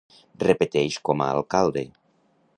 Repeteix com a alcalde.